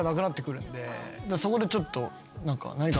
そこでちょっと。